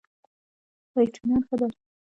اطمینان ښه دی.